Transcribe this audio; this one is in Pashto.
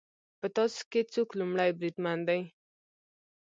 په تاسو کې څوک لومړی بریدمن دی